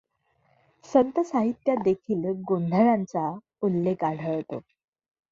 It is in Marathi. संत साहित्यात देखिल गोंधळाचा उल्लेख आढळतो.